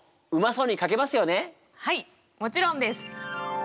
はいもちろんです。